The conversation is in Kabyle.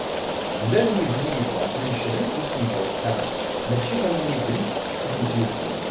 Llan widen i yebɣan timecḍin ur ten-njerreḥ ara mačči am widen i tent-yugin.